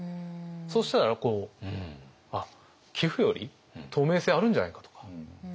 そうしたら寄付より透明性あるんじゃないかとか。